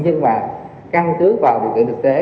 nhưng mà căn cứ vào việc tự lực tế